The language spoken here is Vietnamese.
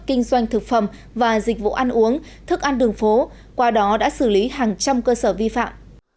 kinh doanh thực phẩm và dịch vụ ăn uống thức ăn đường phố qua đó đã xử lý hàng trăm cơ sở vi phạm